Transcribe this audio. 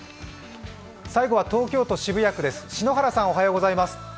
最後は東京都渋谷区です。